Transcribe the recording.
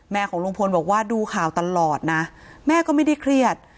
ของลุงพลบอกว่าดูข่าวตลอดนะแม่ก็ไม่ได้เครียด